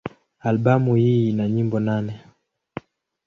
Albamu hii ina nyimbo nane.